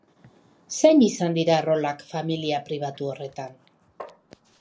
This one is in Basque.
Zein izan dira rolak familia pribatu horretan?